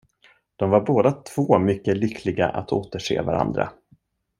De var båda två mycket lyckliga att återse varandra.